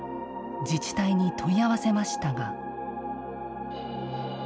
自治体に問い合わせましたが。